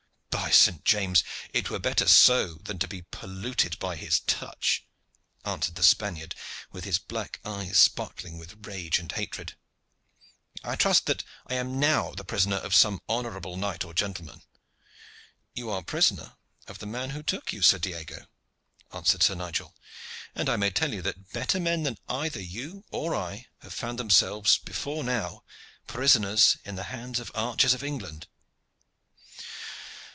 "By St. James! it were better so than to be polluted by his touch," answered the Spaniard, with his black eyes sparkling with rage and hatred. "I trust that I am now the prisoner of some honorable knight or gentleman." "You are the prisoner of the man who took you, Sir Diego," answered Sir Nigel. "And I may tell you that better men than either you or I have found themselves before now prisoners in the hands of archers of England."